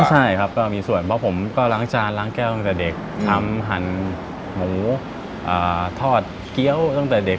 ใช่ครับก็มีส่วนเพราะผมก็ล้างจานล้างแก้วตั้งแต่เด็กทำหั่นหมูทอดเกี้ยวตั้งแต่เด็ก